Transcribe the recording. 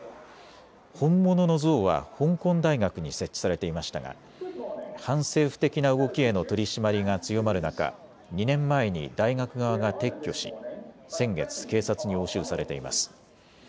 本物の像は香港大学に設置されていましたが反政府的な動きへの取り締まりが強まる中、２年前に大学側が撤去し先月、警察に押収されています。